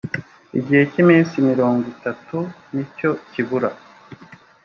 igihe cy’ iminsi mirongo itatu nicyokibura.